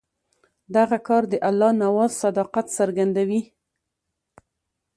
دغه کار د الله نواز صداقت څرګندوي.